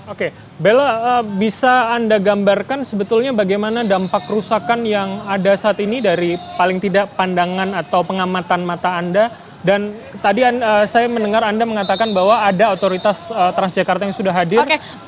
oke bella bisa anda gambarkan sebetulnya bagaimana dampak kerusakan yang ada saat ini dari paling tidak pandangan atau pengamatan mata anda dan tadi saya mendengar anda mengatakan bahwa ada otoritas transjakarta yang sudah hadir